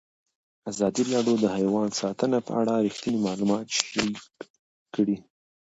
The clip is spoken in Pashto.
ازادي راډیو د حیوان ساتنه په اړه رښتیني معلومات شریک کړي.